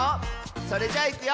それじゃいくよ！